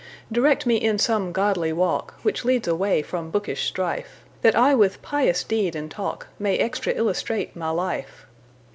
Direct me in some godly walkWhich leads away from bookish strife, That I with pious deed and talkMay extra illustrate my life.